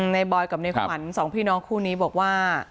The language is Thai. บอยกับในขวัญสองพี่น้องคู่นี้บอกว่า